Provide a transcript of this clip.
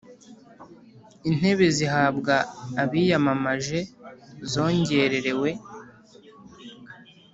intebe zihabwa abiyamamaje zongererewe